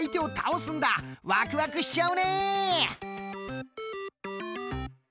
ワクワクしちゃうね！